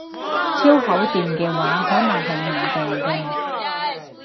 超厚墊嘅話可能係掗掟嘅